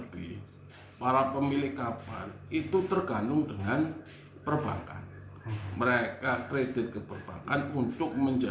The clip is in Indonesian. bisa mampu membayar setoran perbankan yang setiap bulannya